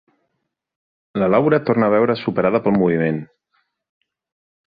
La Laura torna a veure's superada pel moviment.